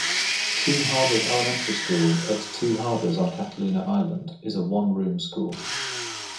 Two Harbors Elementary School, at Two Harbors on Catalina Island, is a one-room school.